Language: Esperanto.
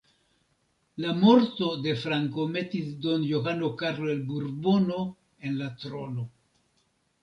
La morto de Franco metis Don Johano Karlo de Burbono en la trono.